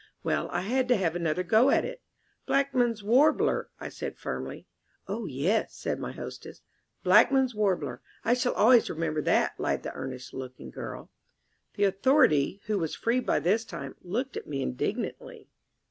Well, I had to have another go at it. "Blackman's Warbler," I said firmly. "Oh, yes," said my hostess. "Blackman's Warbler; I shall always remember that," lied the earnest looking girl. The Authority, who was free by this time, looked at me indignantly.